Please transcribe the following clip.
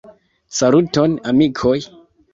Saluton, amikoj!